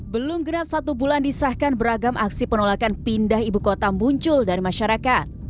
belum genap satu bulan disahkan beragam aksi penolakan pindah ibu kota muncul dari masyarakat